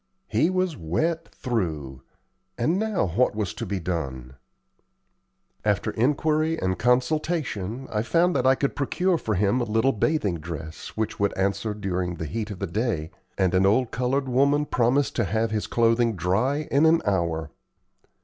He was wet through; and now what was to be done? After inquiry and consultation, I found that I could procure for him a little bathing dress which would answer during the heat of the day, and an old colored woman promised to have his clothing dry in an hour.